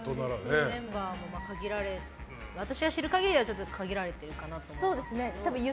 推しのメンバーも私が知る限りでは限られているかなと。